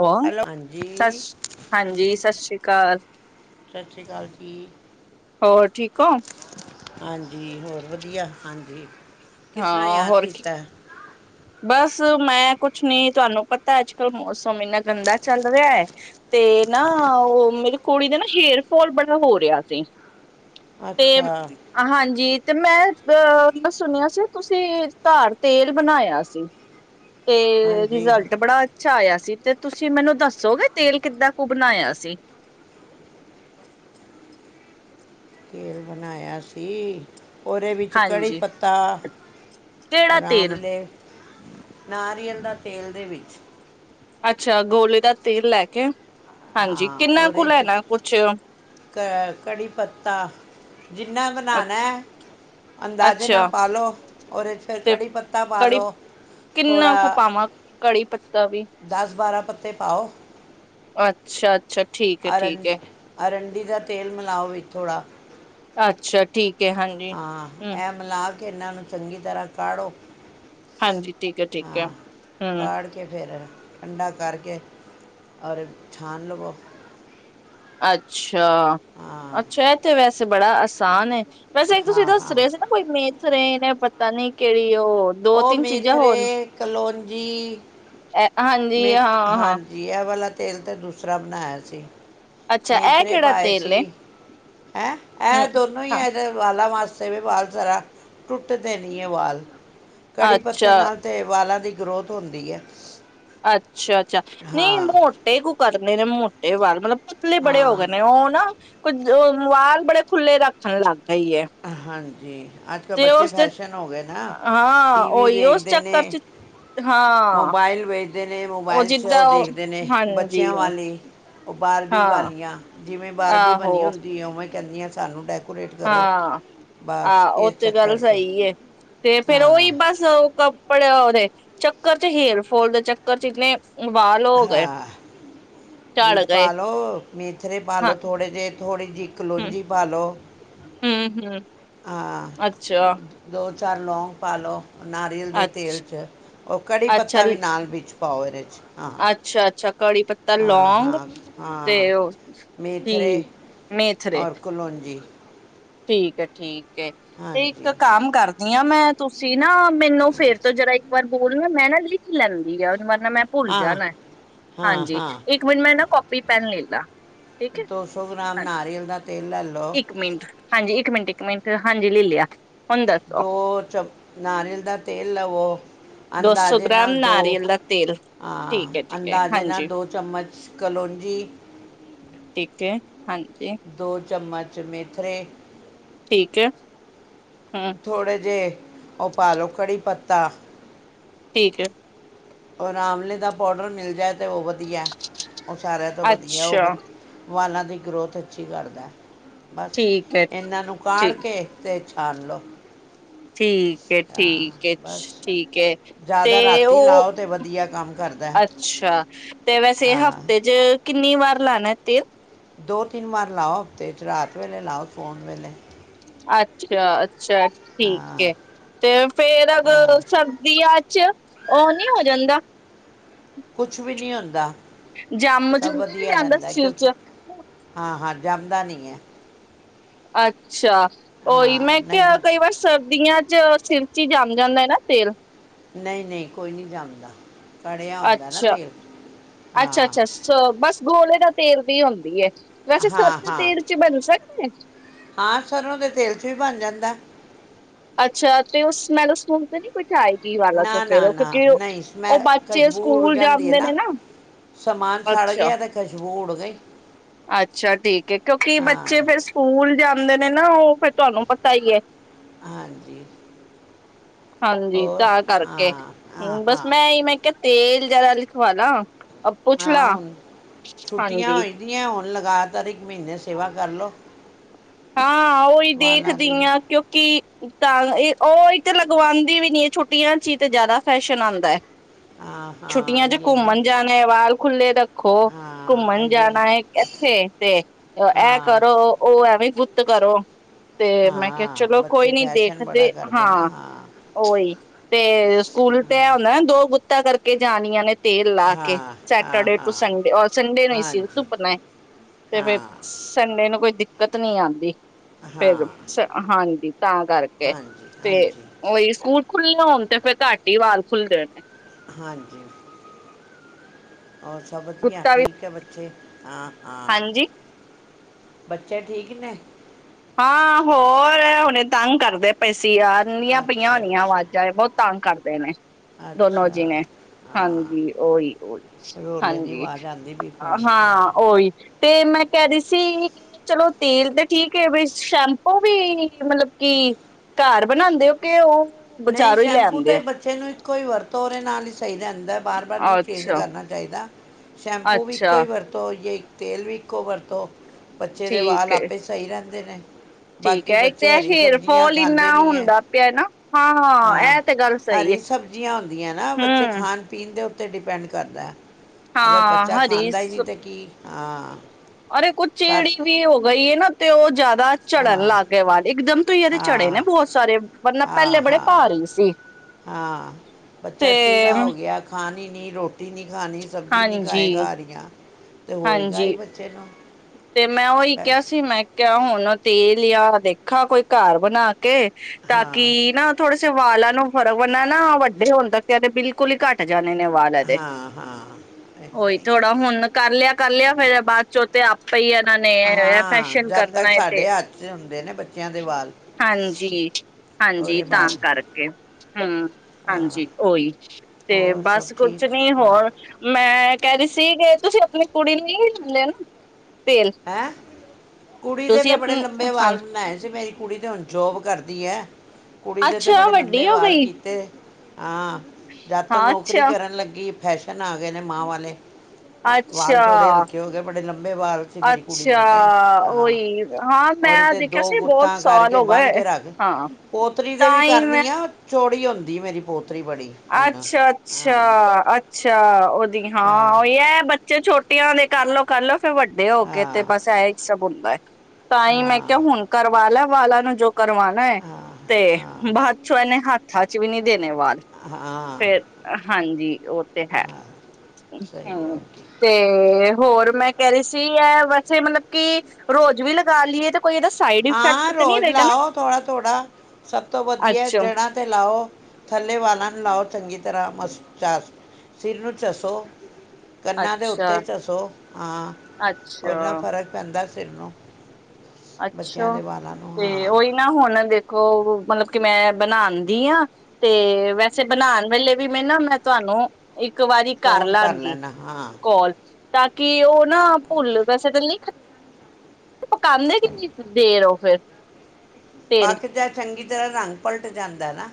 ਹੋ ਹੈਲੋ ਹਾਂਜੀ ਸ ਹਾਂਜੀ ਸਤਿ ਸ੍ਰੀ ਅਕਾਲ ਸਤਿ ਸ਼੍ਰੀ ਅਕਾਲ ਜੀ ਹੋਰ ਠੀਕ ਹੋ। ਹਾਂਜੀ, ਹੋਰ ਵਧੀਆ ਹਾਂਜੀ। ਕਿਸ ਤਰ੍ਹਾਂ ਹਾਂ ਯਾਦ ਹੋਰ ਕੀ ਕੀਤਾ ਹੈ। ਬਸ ਮੈਂ ਕੁਛ ਨ ਤੁਹਾਨੂੰ ਪਤਾ ਅੱਜ ਕੱਲ੍ਹ ਮੌਸਮ ਇੰਨਾ ਗੰਦਾ ਚੱਲ ਰਿਹਾ ਹੈ ਤੇ ਨਾ ਉਹ ਮੇਰੀ ਕੁੜੀ ਦਾ ਨਾ ਹੇਅਰ ਫੋਲ ਬੜਾ ਹੋ ਰਿਹਾ ਸੀ। ਤੇ ਅੱਛਾ ਹਾਂਜੀ, ਤੇ ਮੈਂ ਅਹ ਸੁਣਿਆ ਸੀ ਤੁਸੀਂ ਧਾਰ ਤੇਲ ਬਣਾਇਆ। ਜੀ। ਤੇ ਹਾਂਜੀ ਰਿਜ਼ਲਟ ਬੜਾ ਅੱਛਾ ਆਇਆ ਸੀ। ਤੇ ਤੁਸੀਂ ਮੈਨੂੰ ਦੱਸੋਗੇ ਤੇਲ ਕਿੱਦਾਂ ਕੁ ਬਣਾਇਆ ਸੀ। ਤੇਲ ਬਣਾਇਆ ਸੀ। ਉਹਦੇ ਵਿੱਚ ਕੜੀ ਹਾਂਜੀ ਪੱਤਾ, ਕਿਹੜਾ ਔਰ ਤੇਲ? ਆਮਲੇ ਨਾਰੀਅਲ ਦਾ ਤੇਲ ਦੇ ਵਿੱਚ ਅੱਛਾ, ਗੋਲੇ ਦਾ ਤੇਲ ਲੈ ਕੇ ਹਾਂਜੀ ਹਾਂ ਕਿੰਨਾ ਕੁ ਉਹਦੇ ਚ ਲੈਣਾ ਕੁਛ ਕੜ੍ਹੀ ਪੱਤਾ ਜਿੰਨਾ ਬਣਾਣਾ ਅੰਦਾਜ਼ੇ ਨਾਲ ਅੱਛਾ ਪਾ ਲਓ, ਉਹਦੇ 'ਚ ਫਿਰ ਤੇ ਕੜ੍ਹੀ ਪੱਤਾ ਪਾ ਕੜੀ ਲਓ, ਕਿੰਨਾ ਕੁ ਥੋੜ੍ਹਾ ਪਾਵਾਂ ਕੜੀ ਪੱਤਾ ਵੀ ਦਸ ਬਾਰਾਂ ਪੱਤੇ ਪਾਓ। ਅੱਛਾ, ਅੱਛਾ ਠੀਕ ਹੈ ਅਰ ਅਰ ਠੀਕ ਹੈ [unintelligible] ਅਰੰਡੀ ਦਾ ਤੇਲ ਮਿਲਾਓ ਵਿੱਚ ਥੋੜ੍ਹਾ ਅੱਛਾ ਠੀਕ ਹੈ ਹਾਂਜੀ ਹਾਂ ਹਮ ਇਹ ਮਿਲਾ ਕੇ ਇਹਨਾਂ ਨੂੰ ਚੰਗੀ ਤਰ੍ਹਾਂ ਕਾੜੋ । ਹਾਂਜੀ ਠੀਕ ਹੈ ਠੀਕ ਹੈ ਹੂ ਕਾੜ ਕੇ ਫਿਰ ਠੰਡਾ ਕਰਕੇ ਔਰ ਛਾਣ ਲਵੋ ਅੱਛਾ ਅੱਛਾ ਹਾਂ ਅੱਛਾ ਇਥੇ ਵੈਸੇ ਐ ਤਾਂ ਬੜਾ ਆਸਾਨ ਏ। ਵੈਸੇ ਤੁਸੀਂ ਹਾਂ ਦੱਸ ਹਾਂ ਰਹੇ ਸੀ ਨਾ ਕੋਈ ਮੇਥ ਰਹੇ ਨੇ ਤਨਨੇ ਕੇਹੜੀ ਉਹ ਮੇਥਰੇ ਕਲੋਂਜੀ ਐ ਹਾਂਜੀ ਮੇ ਹਾਂ ਹਾਂ ਹਾਂਜੀ ਇਹ ਵਾਲਾ ਤੇਲ ਤੇ ਦੂਸਰਾ ਬਣਾਇਆ ਸੀ ਅੱਛਾ ਇਹ ਮੇਥਰੇ ਕਿਹੜਾ ਪਾਏ ਤੇਲ ਸੀ ਏ ।ਹੈਂ ਇਹਂ ਹਮ ਦੋਨੋ ਹੀ ਹਾਂ ਹੈ ਗੇ ਵਾਲਾ ਵਾਸਤੇ ਇਸਸੇ ਵੀ ਵਾਲ ਜ਼ਰਾ ਟੁੱਟਦੇ ਨਹੀਂ ਹੈ ਵਾਲ ਕੜੀ ਪੱਤੇ ਅੱਛਾ ਨਾਲ ਤੇ ਵਾਲਾਂ ਦੀ ਗਰੋਥ ਹੁੰਦੀ ਹੈ। ਅੱਛਾ ਅੱਛਾ ਅੱਛਾ ਨਹੀਂ ਹਾਂ ਮੋਟੇ ਕੁ ਕਰ ਮੇਰੇ ਮੋਟੇ ਵਾਲ ਮਤਲਬ ਪੁਤਲੇ ਬੜੇ ਹੋ ਗਏ ਹਾਂ ਨੇ ਉਹ ਨਾ ਕੁਝ ਵਾਲ ਬੜੇ ਖੁੱਲੇ ਰੱਖਣ ਲੱਗ ਗਏ ਆ ਹਾਂ ਤੇ ਅੱਜ ਕੱਲ੍ਹ ਬੱਚੇ ਉਸਦੇ ਫੈਸ਼ਨ ਹੋ ਗਏ ਨਾ ਹਾਂ ਟੀ ਵੀ ਉਹੀ ਉਸ ਵੇਖਦੇ ਚੱਕਰ ਨੇ ਚ ਹਾਂ ਮੋਬਾਇਲ ਵੇਖਦੇ ਨੇ ਮੋਬਾਇਲ 'ਚ ਉਹ ਦੇਖਦੇ ਨੇ ਬੱਚਿਆਂ ਵਾਲੀ ਉਹ ਬਾਰਵੀ ਹਾਂ ਵਾਲੀਆਂ ਜਿਵੇਂ ਬਾਰਵੀਹ ਬਣੀ ਆਹੋ ਹੁੰਦੀ ਉਵੇਂ ਕਹਿੰਦੀਆਂ ਸਾਨੂੰ ਪੋਲੇਟ ਕਰੋ ਹਾਂ ਬਸ ਆਹ ਉਹ ਇਸ ਤੇ ਗੱਲ ਚੱਕਰ 'ਚ ਸਹੀ ਹੈ ਤੇ ਫੇਰ ਉਹੀ ਹਾਂ ਬਸ ਪੜਿਆ ਉਹਦੇ ਚੱਕਰ ਚ ਹੀਰ ਫੋਲ ਦੇ ਚੱਕਰ ਚ ਇਨੇ ਵਾਲ ਹੋ ਗਏ ਹਾਂ ਵੀ ਝੜ ਗਏ ਪਾ ਲੋ ਮੇਥਰੇ ਪਾ ਹਾਂ ਲੋ ਥੋੜੇ ਜਿਹੇ, ਥੋੜ੍ਹੀ ਜਿਹੀ ਕਲੂੰਜੀ ਪਾਲ ਲੋ । ਹਮ -ਹਮ । ਹਾਂ ।ਦੋ ਚਰਨ ਲੋਂ ਪਾਲੋ । ਨਾਰੀਅਲ ਦੇ ਤੇਲ ਅੱਛਾ-ਅੱਛਾ-ਅੱਛਾ 'ਚ ਉਹ ਕੜੀ ਪੱਤਾ ਵੀ ਨਾਲ ਵਿੱਚ ਪਾਓ ਇਹਦੇ 'ਚ ਹਾਂ । ਅੱਛਾ-ਅੱਛਾ ਕੜੀ ਪੱਤਾ ਲੋਂਂਗ ਤੇ ਉਹ ਕੀ ਮੇਥਰੇ ਠੀਕ- ਠੀਕ । ਤੇ ਇੱਕ ਕੰਮ ਕਰਦੀ ਹਾਂ ਮੈਂ ਤੁਸੀਂ ਨਾ ਮੈਨੂੰ ਫੇਰ ਤੋਂ ਜਿਹਰਾ ਪਰ ਬੋਲਣਾ ਮੈਂ ਨਾ ਅਗਲੀ ਿੱ ਲੈਂਦੀ ਹੈ ਵਾਰ ਨਾ ਮੈਂ ਭੁੱਲ ਜਾਣਾ ਹਾਂ ਹਾਂਜੀ ਹਾਂ ਇੱਕ ਮਿੰਟ ਮੈਂ ਨਾ ਕਾੱਪੀ -ਪੈਨ ਲੈ ਲ । [unintelligible] ਦੋ ਸੌ ਗ੍ਰਾਮ ਨਾਰੀਅਲ ਦਾ ਤੇਲ ਲੈ ਲਓ । ਇੱਕ ਮਿੰਟ ਹਾਂ । ਹਾਂਜੀ ਇੱਕ ਮਿੰਟ, ਇੱਕ ਮਿੰਟ ਹਾਂਜੀ ਲੈ ਲਿਆ । ਦੋ ਚਮਚ ਨਾਰੀਅਲ ਦਾ ਤੇਲ ਲਵੋ ਦੋ ਸੌ ਅੰਦਾਜ਼ੇ ਗ੍ਰਾਮ ਨਾਲ ਦੋ ਨਾਰੀਅਲ ਦਾ ਤੇਲ ਠੀਕ ਐ, ਹਾਂ ਠੀਕ ਐ ਅੰਦਾਜ਼ੇ ਨਾਲ ਹਾਂਜੀ ਦੋ ਚਮਚ ਕਲੋਂਜੀ ਠੀਕ ਐ। ਹਾਂਜੀ ਚਮਚ ਮੇਥਰੇ ਠੀਕ ਹੈ । ਥੋੜੇ ਜੇ ਉਹ ਪਾਲੋ ਕੜੀ ਪੱਤਾ । ਠੀਕ ਹੈ । ਔ ਆਮਲੇ ਦਾ ਪਾਊਡਰ ਮਿਲ ਜਾਏ । ਤੇ ਉਹ ਵਧੀਆ ਉਹ ਸਾਰਿਆਂ ਤੋਂ ਵਧੀਆ ਉਹ ਅੱਛਾ ਵਾਲਾਂ ਤੋਂ ਦੀ ਗਰੋਥ ਅੱਛੀ ਕਰਦਾ । ਬਸ ਠੀਕ ਐ ਇਹਨਾਂ ਨੂੰ ਕਾੜ ਠੀਕ ਕੇ ਤੇ ਤਲ ਲੋ ਠੀਕ ਹੈ, ਠੀਕ ਹੈ, ਠੀਕ ਹੈ, ਤੇ ਜ਼ਿਆਦਾ ਰਾਤੀ ਉਹ ਲਾਓ ਤੇ ਵਧੀਆ ਕੰਮ ਕਰਦਾ ਅੱਛਾ ਤੇ ਵੈਸੇ ਹਾਂ ਹਫ਼ਤੇ ਚ ਕਿੰਨੀ ਵਾਰ ਲੈਣਾ ਤੇ ਦੋ -ਤਿੰਨ ਵਾਰ ਲਾਓ ।ਹਫ਼ਤੇ 'ਚ ਰਾਤ ਵੇਲੇ ਲਾਓ ਸੋਣ ਵੇਲੇ ਅੱਛਾ ਅੱਛਾ, ਠੀਕ ਹਾਂ ਹੈ। ਤੇ ਫੇਰ ਹਾਂ ਅੱਗੇ ਸਰਦੀਆਂ ਚ ਉਹ ਨਹੀਂ ਹੋ ਜਾਂਦਾ । ਕੁਛ ਵੀ ਨਹੀਂ ਹੁੰਦਾ । ਜਮ ਚ ਹਦੇ ਵੀ ਜਾਂਦਾ ਸਿਰ ਚ ਜਮਦਾ ਨਹੀਂ ਹੈ ਅੱਛਾ ਉਹੀ ਹਾਂ ਮੈਂ ਨਹੀਂ ਕਿਹਾ ਨੂੰ- ਕਈ ਵਾਰ ਸਰਦੀਆਂ ਚਿਰ [unintelligible] ਜ਼ਮ ਜਾਂਦਾ ਨਾ ਤੇਲ ਨਹੀਂ ਨਹੀਂ ਕੋਈ ਨਹੀਂੀ ਜਮਦਾ ਅੱਛਾ ਅੱਛਾ ਹਾਂ ਅੱਛਾ ਬਸ ਗੋਲੇ ਦਾ ਤੇਰ ਦੀ ਹੁੰਦੀ ਏ ਵੈਸੇ ਸਰੋਂ ਹਾਂ ਦੇ ਹਾਂ ਤੇਲ ਚ ਬਣ ਸਕਦਾ ਏ? ਹਾਂ ਸਰ੍ਹੋਂ ਦੇ ਤੇਲ ਚ ਵੀ ਬਣ ਜਾਂਦਾ ਅੱਛਾ ਤੇ ਉਹੈਲ ਸਕੂਲ ਤੇ ਨੀ ਆਏਗੀ ਵਾਲਾ ਨਾ ਚ ਫੇਰ ਨਾ ਨਾ ਕਿਉਂਕਿ ਨਹੀਂ ਮੈਂ ਉਹ ਬੱਚੇ ਖੁਸ਼ਬੂ ਉਡ ਸਕੂਲ ਜਾਂਦੀ ਹੈ ਜਾਂਦੇ ਨਾ ਨੇ ਸਮਾਨ ਸਾੜ ਅੱਛਾ ਗਿਆ ਤੇ ਖੁਸ਼ਬੂ ਉ [unintelligible] ਅੱਛਾ ਠੀਕ ਹੈ ਕਿਉਂਕਿ ਬੱਚੇ ਫੇਿਰ ਸਕੂਲ ਜਾ ਦੇ ਨੇ ਨਾ ਉਹ ਫੇਰ ਤੁਹਾਨੂੰ ਪਤਾ ਹੀ ਹੈ ਹਾਂਜੀ ਹਾਂਜੀ ਹੋਰ ਤਾਂ ਕਰਕੇ ਹਾਂ ਹਾਂ ਹਮ ਬਸ ਹਾਂ ਮੈਂ ਮੈਂ ਕਿਹਾ ਤੇਲ ਜ਼ਰਾ ਲਿਖਵਾ ਲਾ ਅ ਪੁੱਛ ਹਾਂ ਲਾ ਹੁਣ ਛੁੱਟੀਆਂ ਹਾਂਜੀ ਹੋ ਜਾਂਦੀਆਂ ਹੁਣ ਲਗਾਤਾਰ ਇੱਕ ਮਹੀਨੇ ਸੇਵਾ ਕਰ ਲਓ ਹਾਂ ਉਹੀ ਵਾਲਾਂ ਦੇਖਦੀ ਦੀ ਹਾਂ ਕਿਉਂਕਿ ਤਾਂ ਇਹ ਉਹ ਇ ਤੇ ਲਗਵਾਉਂਦੀ ਵੀ ਨੀ ਛੁੱਟੀਆਂ ਚ ਹੀ ਤੇ ਜ਼ਿਆਦਾ ਫੈਸ਼ਨ ਆਉਂਦਾ ਹੈ ਹਾਂ ਹਾਂ ਛੁੱਟੀਆਂ ਚ ਇਹ ਨਾ ਘੁੰਮਣ ਜਾਣਾ ਵਾਲ ਖੁੱਲੇ ਰੱਖੋ ਹਾਂ ਘੁੰਮਣ ਆਈ ਆਈ ਜਾਣਾ ਹੈ ਇੱਥੇ ਤੇ ਇਹ ਹਾਂ ਕਰੋ ਉਹ ਐਵੇਂ ਗੁਤ ਕਰੋ ਤੇ ਮੈਂ ਕਿਹਾ ਹਾਂ ਚਲੋ ਕੋਈ ਬੱਚੇ ਨੀ ਫੈਸ਼ਨ ਦੇਖਦੇ ਬੜਾ ਕਰਦੇ ਨਾ ਹਾਂ ਹੀ ਤੇ ਸਕੂਲ ਤੇ ਆ ਹੁੰਦਾ ਦੋ ਗੁੱਤ ਕਰਕੇ ਜਾਣੀਆਂ ਨੇ ਤੇਲ ਲਾ ਕੇ ਹਾਂ ਹਾਂ ਸੈਟਰਡੇ ਟੂ ਹਾਂ ਸੰਡੇ ਔਰ ਸੰਡੇ ਨੂੰ ਹੀ ਸੀ ਹਾਂਜੀ ਤੁੁੱਪਣਾ ਹੈ ਤੇ ਫਿਰ ਹਾਂ ਸੰਡੇ ਨੂੰ ਕੋਈ ਦਿੱਕਤ [unintelligible] ਨਹੀਂ ਆਦੀ ਹਾਂ ਫਿਰ ਹਾਂਜੀ ਤਾਂ ਕਰਕੇ ਹਾਂਜੀ ਤੇ ਹਾਂਜੀ ਉਹੀ ਸਕੂ ਖੁੱਲੇ ਹੋਣ ਤੇ ਫਿਰ ਘੱਟ ਹੀ ਵਾਲ ਖੁੱਲਦੇ ਨੇ ਹਾਂਜੀ ਹੋਰ ਸਭ ਵਧੀਆ ਗੁੱਤਾ ਵੀ ਠੀਕ ਹੈ ਬੱਚੇ ਹਾਂ ਹਾਂ ਹਾਂਜੀ ਬੱਚੇ ਠੀਕ ਨੇ ਹਾਂ ਹੋਰ ਹੁਣੇ ਤੰਗ ਕਰਦੇ ਪੈਸੇ ਸੀ ਆੀਆਂ ਪਈਆਂ ਅੱਛਾ ਹੋਣੀਆਂ ਅੱਛਾ ਆਵਾਜ਼ਾਂ ਬਹੁਤ ਤੰਗ ਕਰਦੇ ਨੇ ਦੋਨੋ ਜੀ ਅੱਛਾ ਨੇ ਹਾਂ ਹਾਂਜੀ ਓਹੀ ਓਹੀ ਰੋਲੇ ਦੀ ਹਾਂਜੀ ਆਵਾਜ਼ ਆਉਂਦੀ ਵੀ ਫੋਨ 'ਚ ਹਾਂ ਓਹੀ ਤੇ ਮੈਂ ਕਹਿ ਦ ਸੀ ਚਲੋ ਤੇਲ ਤੇ ਠੀਕ ਕਿ ਵੀ ਸ਼ੈਂਪੂ ਵੀ ਮਤਲਬ ਕਿ ਘਰ ਬਣਾਉਦੇ ਹੋ ਕੇ ਉਹ ਨਹੀਂ ਬਜ਼ਾਰੋਂ ਹੀ ਲੈ ਸ਼ੈਂਪੂ ਆਉਂਦੇ ਤੇ ਹੋ ਬੱਚੇ ਨੂੰ ਕੋਈ ਵਰਤੋ ਰੇ ਨਾਲ ਈ ਸਹੀ ਰੈਂਦਾ ਐ। ਬਾਰ ਬਾਰ ਨੀ ਚੇਂਜ ਅੱਛਾ ਕਰਨਾ ਚਾਈਦਾ। ਦਾ ਸ਼ੈਂਪੂ ਵੀ ਇੱਕੋ ਹੀ ਅੱਛਾ ਵਰਤੋ ਜੇ ਤੇਲ ਵੀ ਇੱਕੋ ਵਰਤੋ ਬੱਚੇ ਦੇ ਵਾਲ ਠੀਕ ਹੈ ਆਪੇ ਸਹੀ ਰਹਿਨ ਦੇ ਨੇ। ਠੀਕ ਬਾਕੀ ਹੈ। ਇੱਕ ਤੇ ਬੱਚੇ ਐ ਹਰੀ ਹੇਅਰ ਸਬਜ਼ੀਆਂ ਫੋਲ ਖਾਂਦੇ ਇੰਨਾ ਨਹੀਂ ਹੈ ਹੁੰਦਾ ਪਿਆ ਨਾ ਹਾਂ। ਇਹ ਤੇ ਗੱਲ ਸਹੀ ਹੈ ਹਰੀ ਸਬਜ਼ੀਆਂ ਹੁੰਦੀਆਂ ਨਾ, ਬੱਚੇ ਹਮ ਖਾਣ ਪੀਣ ਦੇ ਉੱਤੇ ਡਿਪੈਂਡ ਕਰਦਾ ਐ। ਹਾਂ ਹਰੀ ਸਬ, ਕੀ ਹਾਂ ਅਰੇ ਕੁਝ ਸਰ ਚਿੜੀ ਵੀ ਹੋ ਗਈ ਏ ਨਾ ਤੇ ਉਹ ਜ਼ਿਆਦ ਦਾ ਝੜਨ ਹਾਂ ਲਗੇ ਵਾਲ। ਇੱਕਦਮ ਤੋਂ ਈ‌ ਐਦੇ ਦੇ ਚੜੇ ਨੇ ਹਾਂ ਬਹੁਤ ਸਾਰੇ, ‌ ਵਰਨਾ ਪਹਿਲੇ ਹਾਂ ਬੜੇ ਹਾਂ ਭਾਰੇ ਸੀ, ਹਾਂ ਤੇ ਹੁਣ ਪਾਣੀ ਨਹੀਂ ਰੋਟ ਟੀ ਨੀ ਖਾਣੀ ਸਬਜ਼ੀ ਨੀ ਖਾਏਗਾ ਹਰੀਆਂ। ਤੇ ਹੋਏਗਾ ਈ ਹਾਂਜੀ ਬੱਚੇ ਨੂੰ ਤੇ ਮੈਂ ਉਹੀ ਕਿਹਾ ਸੀ ਮੈਂ ਕਿਹਾ ਹੁਣ ਤੇਲ ਯਾ ਦੇਖਾ ਕੋਈ ਘਰ ਬਣਾ ਕੇ ਹਾਂ ਤਾਂਕੀ ਨਾ ਥੋੜੇ ਸੇ ਵਾਲਾਂ ਨੂੰ ਫਰਕ, ਵਰਨਾ ਨਾ ਵੱਡੇ ਹੋਣ ਤੱਕ ਐਦੇ ਬਿਲਕੁਲ ਈ ਘੱਟ ਜ ਜਾਣੇ ਨੇ ਵਾਲਾ ਐਦੇ ਹਾਂ ਹਾਂ ਏਦਾਂ ਉਹੀ ਹੀ ਕਰ ਥੋੜਾ ਰਹੇ ਹੁਣ ਕਰ ਲਿਆ, ਕਰ ਲਿਆ। ਫੇਰ ਬਾਅਦ ਜੋ ਤੇ ਆਪ ਪਈ ਇਹਨਾਂ ਨੇ ਹੋ। ਐ ਹਾਂ ਫੈਸ਼ਨ ਜਦ ਕਰਨਾ ਤੱਕ ਐ ਤੇ, ਸਾਡੇ ਹੱਥ 'ਚ ਹੁੰਦੇ ਨੇ ਬੱਚਿਆਂ ਦੇ ਵਾਲ ਹਾਂਜੀ, ਹਾਂਜੀ ਉਹਦੇ ਤਾਂ ਬਾਅਦ ਕਰਕੇ। ਹਮ ਹਾਂ ਹਾਂਜੀ, ਓਈ। ਤੇ ਹੋਰ ਸਭ ਬਸ ਕੁਛ ਠੀਕ ਨੀ ਹਾਂ ਹੋਰ। ਮੈਂ ਕਹਿ ਰਹੀ ਸੀ ਕਿ ਤੁਸੀਂ ਅ ਹੁਣੇ ਕੁੜੀ ਨੂੰ ਈ‌ ਮਿਲੇ ਓ ਨਾਂ? ਹੈਂ, ਕੁੜੀ ਦੇ ਤੁਸੀਂ ਤਾਂ ਬੜੇ ਆਪਣੀ ਲੰਬੇ ਹਾਂ ਵਾਲ ਬਣਾਏ ਸੀ। ਮੇਰੀ ਕੁੜੀ ਤੇ ਹੁਣ ਜੋਬ ਕਰਦੀ ਐ। ਕੁੜੀ ਦੇ ਤਾਂ ਅੱਛਾ ਬੜੇ ਲੰਬੇ ਵੱਡੀ ਹੋ ਵਾਲ ਗਈ ਕੀਤੇ। ਹਾਂ, ਜਦ ਤੋਂ ਹਾਂ ਨੌਕਰੀ ਅੱਛਾ ਕਰਨ ਲੱਗੀ, ਫੈਸ਼ਨ ਸ਼ਨ ਆ ਗਏ ਨੇ, ਮਾਂ ਵਾਲੇ। ਵਾਲ ਥੋੜ੍ਹੇ ਅੱਛਾ ਹਲਕੇ ਹੋ ਗਏ। ਬੜੇ ਲੰਬੇ ਬਾਲ ਅੱਛਾ, ਉਹੀ, ਹਾਂ ਉਹਦੇ ਮੈਂ 'ਤੇ ਦੇਖਿਆ ਦੋ ਸੀ। ਬਹੁਤ ਗੁੱਤਾਂ ਸਾਲ ਕਰਕੇ ਹੋ ਬੰਨ੍ਹ ਗਏ, ਕੇ ਰੱਖ ਹਾਂ। ਤਾਂ ਈ ਮੈਂ ਚੋਰੀ ਹੁੰਦੀ ਮੇਰੇ ਕੌਲ ਅੱਛਾ ਅੱਛਾ ਅੱਛਾ ਉਹਦੀ ਹਾਂ ਉਹ ਹੈ ਬੱਚੇ ਛੋਟੇ ਛੁੱਟੀਆ ਨੇ ਕਰਲੋੋ ਕਰਲੋੋ ਫਿਰ ਵੱਡੇ ਹੋ ਕੇ ਤੇ ਬਸ ਇਹ ਹੀ ਸਭ ਹੁੰਦਾਏ ਤਾਂ ਹੀ ਮੈਂ ਹਾਂ ਕਿਹਾ ਹੁਣ ਕਰਵਾ ਲੈ [unintelligible] ਕਰਵਾਣਾ ਹੈ ਹਾਂ ਤੇ ਹਾਂ ਬਾਅਦ ਚੋਂ ਇਹਨੇ ਹੱਥ [unintelligible] ਵੀ ਨਹੀਂ ਦੇਣੇ ਵਾਲ ਹਾਂ ਫਿਰ ਹਾਂਜੀ ਉਹ ਤੇ ਹੈ ਸਹੀ ਹਮ ਓਕੇ ਤੇ ਹੋਰ ਮੈਂ ਕਹਿ ਰਹੀ ਸੀ ਵੈਸੇ ਮਤਲਬ ਕਿ ਰੋਜ਼ ਵੀ ਲਗਾ ਲਈਏ ਤੇ ਕੋਈ ਇਹਦਾ ਸਾਈਡ ਹਾਂ ਇਫੈਕਟ ਤੇ ਨਹੀਂ ਰੋਜ਼ ਰਹੇਗਾ ਨਾ ਲਾਓ ਥੋੜਾ ਥੋੜਾ ਸਭ ਤੋਂ ਵਧੀਆ ਅੱਛਾ। ਜੜ੍ਹਾਂ ਤੇ ਲਾਓ ਥੱਲੇ ਵਾਲਾਂ ਲਾਓ ਚੰਗੀ ਤਰ੍ਹਾਂ ਮਸ ਚਸ ਸਿਰ ਨੂੰ ਚੱਸੋ ਕੰਨਾਂ ਦੇ ਉੱਤੇ ਅੱਛਾ, ਚੱਸੋ ਹਾਂ ਓਨਾ ਅੱਛਾ, ਫ਼ਰਕ ਪੈਂਦਾ [unintelligible] ਬੱਚਿਆਂ ਅੱਛਾ ਦੇ ਵਾਲਾਂ ਨੂੰ ਤੇ ਹਾਂ ਉਹੀ ਨਾ ਹੁਣ ਦੇ ਮਤਲਬ ਕਿ ਮੈਂ ਬਣਾਉਦੀ ਹਾਂ ਤੇ ਵੈਸੇ ਬਣਾਉਣ ਵੇਲੇ ਵੀ ਮੈਂ ਨਾ ਮੈਂ ਤੁਹਾਨੂੰ ਇੱਕ ਵਾਰੀ ਕਰ ਫੋਨ ਲਾਗੀ ਲੈਣਾ ਹਾਂ ਕੋਲ ਤਾਂ ਕਿ ਉਹ ਨਾ ਭੁੱਲ ਵੈਸੇ ਤਾਂ ਨਹੀਂ ਪਕਾਉਂਦੇ [unintelligible] ਤੇਲ ਪੱਖ ਜਾ ਚੰਗੀ ਜੜਾ ਰੰਗ ਪਲਟ ਜਾਂਦਾ ਨਾ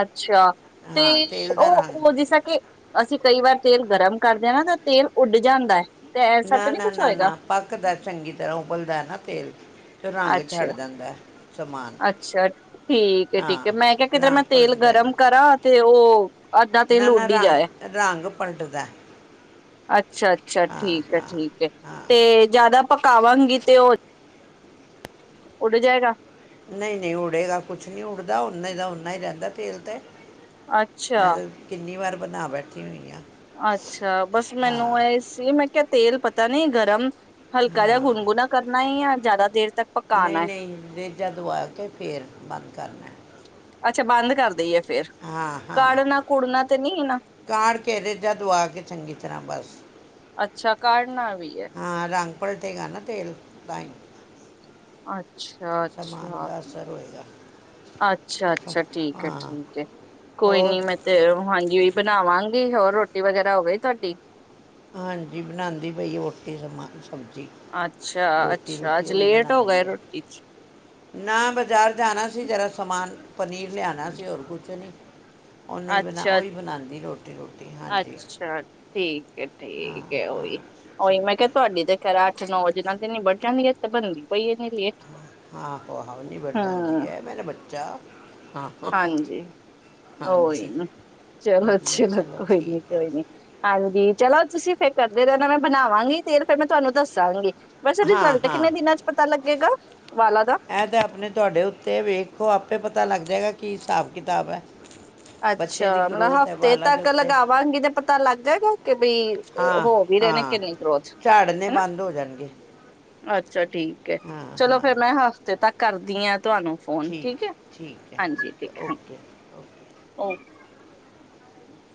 ਅੱਛਾ ਤੇ ਹਾਂ ਤੇਲ ਦਾ ਉਹ ਉਹ ਰੰਗ ਜਿਸ ਤਰ ਕਿ ਅਸੀਂ ਕਈ ਵਾਰ ਤੇਲ ਗਰਮ ਕਰਦੇ ਨਾ ਤਾਂ ਤੇਲ ਉੱਡ ਜਾਂਦਾ ਹੈ ਤੇ ਐਸਾ ਨਾ ਤੇ ਨਹੀਂ ਨਾ ਕੁਛ ਨਾ ਹੋਏਗਾ ਨਾ ਪੱਕ ਦਾ ਚੰਗੀ ਤਰ੍ਹਾਂ ਉਬਲਦਾ ਨਾ ਤੇਲ ਤੇ ਰੰਗ ਛੱਡ ਅੱਛਾ ਜਾਂਦਾ ਸਮਾਨ ਅੱਛਾ ਠੀਕ ਠੀਕ ਹਾਂ ਹੈ ਮੈਂ ਕਿਹਾ ਕਿਧਰੇ ਮੈਂ ਰੰਗ ਤੇਲ ਪਲਟ ਗਰਮ ਜਾਏਗਾ ਕਰਾਂ ਤੇ ਉਹ ਅੱਦਾਂ ਤੇ ਨਾ ਨਾ ਲੋੜੀ ਜਾਏ ਰੰਗ ਰੰਗ ਪਲਟਦਾ ਅੱਛਾ ਅੱਛਾ ਹਾਂ ਠੀਕ ਹੈ ਹਾਂ ਠੀਕ ਹੈ ਤੇ ਜਿਆਦਾ ਪਕਾਵਾਂਗੀ ਤੇ ਉਹ ਉਡ ਜਾਏਗਾ। ਨਹੀਂ, ਨਹੀਂ ਉਡੇਗਾ ਕੁਛ ਨਹੀਂ ਉੱਡਦਾ ਨਾ ਹੀ ਦਾ ਓਨਾ ਹੀ ਰਹਿੰਦਾ ਤੇਲ ਤੇ। ਮੈਂ ਅੱਛਾ ਤਾਂ ਕਿੰਨੀ ਵਾਰ ਬਣਾ ਬੈਠੀ ਹੋਈ ਆ। ਅੱਛਾ, ਬਸ ਮੈਨੂੰ ਹਾਂ ਇਹ ਸੀ ਮੈਂ ਕ ਤੇਲ ਪਤਾ ਨੀ ਗਰਮ ਹਲਕਾ ਜ ਗੁਣਗੁਣਾ ਕਰਨਾ ਹੀ ਆ ਜ਼ਿਆਦਾ ਦੇਰ ਤੱਕ ਨਹੀਂ, ਪਕਾਣਾ ਹੈ ਨਹੀਂ ਰੇਜਾ ਦਵਾ ਕੇ ਫੇਰ ਬੰਦ ਕਰਨਾ। ਅੱਛਾ ਬੰਦ ਕਰ ਦੇਈ ਏ। ਹਾਂ, ਹਾਂ ਨਹੀਂ ਨਾ ਕਾਂੜ ਕੇ ਰੇੇਜਾ ਦੁਆ ਕੇ ਚੰਗੀ ਤਰ੍ਹਾਂ ਬਸ। ਅੱਛਾ ਕਾਰਡਣ ਨਾਲ ਹਾਂ ਰੰ ਪੱਲਟੇ ਗਾ ਨਾ ਤੇਲ, ਤਾਈ। ਅੱਛਾ, ਅੱਛਾ, ਅਸਰ ਹੋਏਗਾ ਅੱਛਾ, ਅੱਛਾ, ਠੀਕ ਹੈ, ਹਾਂ ਠੀਕ ਹੈ, ਕੋਈ ਹੋਰ ਨੀ ਮੈਂ ਤੇ ਹਾਂਜੀ ਬਣਾਵਾਂ ਗੀ। ਹੋਰ ਰੋਟੀ ਵਗੈਰਾ ਹੋ ਗਈ ਤੁਹਾਡੀ ਹਾਂਜੀ ਬਣਾਉਂਦੀ ਪਈ ਰੋਟੀ ਸਮਾਂ ਸਬਜੀ ਅੱਛਾ ਰੋਟੀ ਅੱਛਾ -ਰੂਟੀ ਅੱਜ ਉਹੀ ਲੇਟ ਹੋ ਗਏ ਬਣਾਉਂਦੀ ਏ। ਰੋਟੀ ਚ ਨਾ ਬਾਜ਼ਾਰ ਜਾਣਾ ਸੀ ਜਰਾ ਸਮਾਨ ਪਨੀਰ ਲਿਆਣਾ ਸੀ। ਹੋਰ ਕੁਛ ਨਹੀਂ। ਔਹਨੇ ਈ ਬਣਾ ਅੱਛਾ ਔਹਹੀ ਬਣਾਉਂਦੀ ਰੋਟੀ -ਰੂਟੀ। ਹਾਂਜੀ। ਅੱਛਾ ਠੀਕ ਹਾਂ ਠੀਕ ਹੈ, ਹਾਂ ਓਹੀ, ਉਹੀ ਮੈਂ ਠੀਕ ਕਿਹਾ ਹੈ ਤੁਹਾਡੀ ਤੇ ਖੈਰਾ ਅੱਠ- ਨੌ ਵਜੇ [unintelligible] ਆਹੋ, ਆਹੋ, ਨੀਬੜ ਜਾਂਦੀ ਹਮ ਹੈ ਮੇਰਾ ਬੱਚਾ। ਆਹ! ਔਹੀ ਚਲੋ, ਚਲੋ ਕੋਈ ਨੀ, ਠੀਕ ਹੈ ਕੋਈ ਨੀ ਹਾਂਜੀ ਚਲੋ ਤੁਸੀਂ ਫਿਰ ਕਰਦੇ ਰ ਮੈਂ ਬਣਾਵਾਂਗੀ। ਤੇ ਫੇਰ ਮੈਂ ਤੁਹਾਨੂੰ ਦੱਸਾਂਗੀ। ਵੈਸੇ ਹਾਂ, ਰਿਜ਼ਲਟ ਹਾਂ ਕਿੰਨੇ ਦਿਨਾਂ ਚ ਪਤਾ ਲੱਗੇਗਾ ਵਾਲਾਂ ਦਾ ਇਹ ਤੇ ਆਪਣੇ ਤੁਹਾਡੇ ਉੱਤੇ ਵੇਖੋ ਆਪੇ ਪਤਾ ਲੱਗਦ ਜ੍ਹਾ ਕੀ ਹਿਸਾਬ -ਕਿਤਾਬ ਹੈ? ਬੱਚੇ ਦੀ ਅੱਛਾ, ਮਤਲਬ ਗਰੋਥ ਹੈ ਹਫ਼ਤੇ ਵਾਲਾਂ ਦੇ ਤੱਕ ਉੱਤੇ ਲਗਾਵਾਂਗੀ ਤੇ ਪਤਾ ਲੱਗੇਗਾ? ਕਿ ਬਈ, ਹਾਂ ਹੋ ਵੀ ਰਹੇਣੇ ਕਿ ਹਾਂ ਨਹੀਂ ਗੌ੍ਖ ਝਾੜਨੇ ਹੈਨਾ। ਬੰਦ ਹੋ ਜਾਣਗੇ ਅੱਛ । ਛਾ ਠੀਕ ਹੈ। ਹਾਂ ਚਲੋ ਫੇਰ ਹਾਂ ਮੈਂ ਹਫ਼ਤੇ ਤੱਕ ਕਰਦੀਆਂ। ਠੀਕ, ਠੀਕ ਹੈ, ਠੀਕ ਹੈ, ਓਕੇ- ਓਕੇ । ਓਕੇ